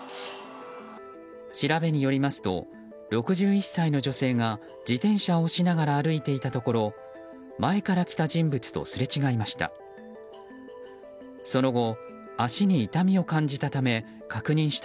調べによりますと６１歳の女性が自転車を押しながら歩いていたところ前から来た人物とすれ違いました。